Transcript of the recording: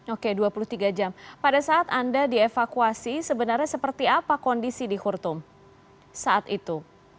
oke dua puluh tiga jam pada saat anda dievakuasi sebenarnya seperti apa kondisi di khurtum saat itu